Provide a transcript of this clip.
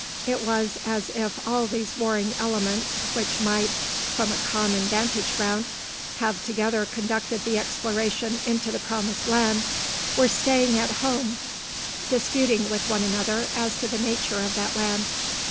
It was as if all these warring elements, which might, from a common vantage ground, have together conducted the exploration into the promised land, were staying at home disputing with one another as to the nature of that land.